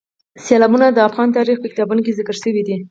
سیلابونه د افغان تاریخ په کتابونو کې ذکر شوی دي.